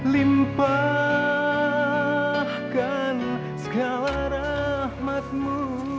limpahkan segala rahmatmu